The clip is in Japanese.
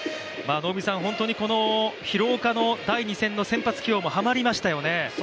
本当に廣岡の第２戦の先発起用がはまりましたよね。